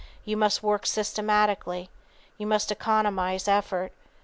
You must work systematically. You must economize effort.